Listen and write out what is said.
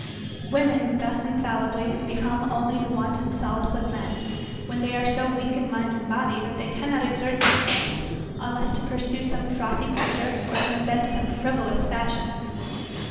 Women thus infallibly become only the wanton solace of men, when they are so weak in mind and body, that they cannot exert themselves, unless to pursue some frothy pleasure, or to invent some frivolous fashion.